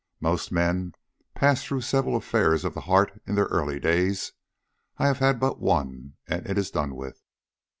Most men pass through several affairs of the heart in their early days; I have had but one, and it is done with.